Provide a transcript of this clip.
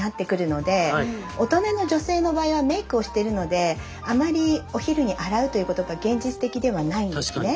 大人の女性の場合はメイクをしてるのであまりお昼に洗うということが現実的ではないんですね。